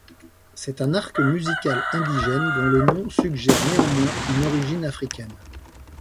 C'est un arc musical indigène dont le nom suggère néanmoins une origine africaine.